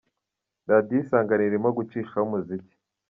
: Radio Isanganiro irimo gucishaho umuziki